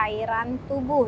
dari cairan tubuh